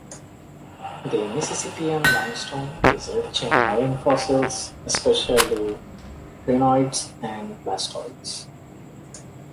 The Mississippian limestone is rich in marine fossils, especially crinoids and blastoids.